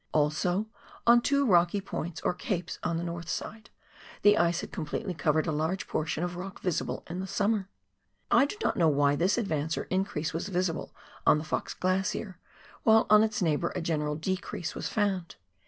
Also on two rocky points or capes on the north side, the ice had com pletely covered a large portion of rock visible in the summer. I do not know why this advance or increase was visible on the Fox Glacier, while on its neighbour a general decrease was found.